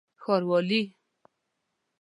ښاروالي